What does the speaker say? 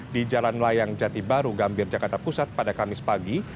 di jalan layang jati baru gambir jakarta pusat pada kamis pagi